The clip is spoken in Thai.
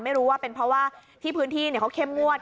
ไม่รู้ว่าเป็นเพราะว่าที่พื้นที่เขาเข้มงวด